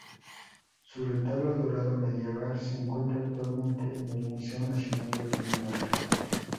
Su retablo dorado medieval se encuentra actualmente en el Museo Nacional de Dinamarca.